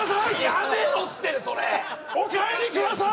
やめろっつってんねんそれお帰りください！